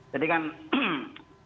jadi kan ini kan situasi